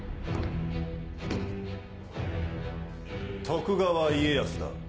徳川家康だ。